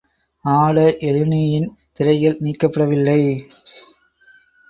ஆட எழினியின் திரைகள் நீக்கப்படவில்லை.